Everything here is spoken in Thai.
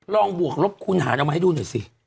บวกลบคูณหารออกมาให้ดูหน่อยสิ